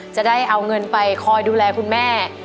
จะได้เอาเงินไปคอยดูแลคุณแม่